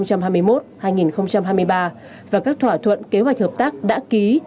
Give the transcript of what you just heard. và các thỏa thuận kế hoạch hợp tác đã ký